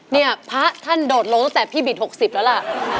เนี่ยพระท่านโดดลงตั้งแต่พี่บิด๖๐แล้วล่ะ